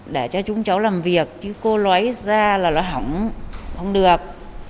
để cho chúng cháu làm việc chứ cô loáy ra là nó hỏng không được